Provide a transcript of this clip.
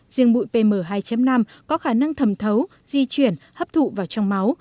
riêng bụi pm hai năm có khả năng thầm thấu di chuyển hấp thụ vào trong máu